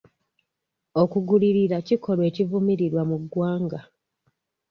okugulirira kikolwa ekivumirirwa mu ggwanga.